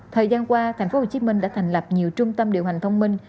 thời gian qua tp hcm đã thành lập nhiều trung tâm điều hành thông minh